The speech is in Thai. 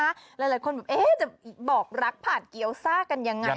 หลายคนแบบจะบอกรักผ่านเกี้ยวซ่ากันยังไง